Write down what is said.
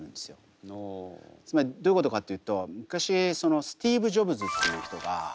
つまりどういうことかっていうと昔スティーブ・ジョブズっていう人が。